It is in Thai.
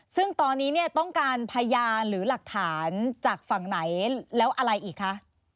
ซึ่งตอนนี้เนี่ยต้องการพยานหรือหลักฐานจากฝั่งไหนแล้วอะไรอีกคะ